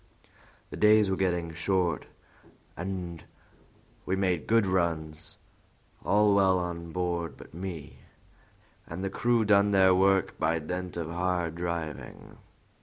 The days were getting short, and we made good runs, all well on board but me, and the crew done their work by dint of hard driving."